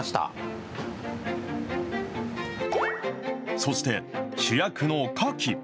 そして、主役のかき。